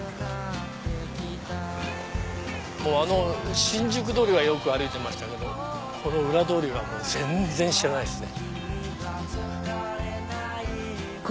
あの新宿通りはよく歩いてましたけどこの裏通りは全然知らないですね。